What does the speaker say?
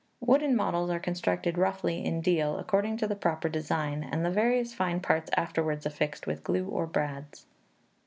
Wooden models are constructed roughly in deal, according to the proper design, and the various fine parts afterwards affixed with glue or brads.